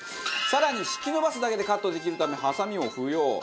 更に引き伸ばすだけでカットできるためハサミも不要！